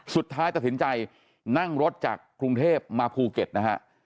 สุดท้ายตัดสินใจนั่งรถจากกรุงเทพมาภูเก็ตนะฮะ